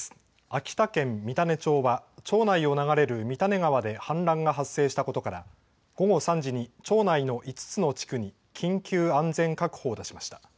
秋田県三種町は町内を流れる三種川で氾濫が発生したことから午後３時に町内の５つの地区に緊急安全確保を出しました。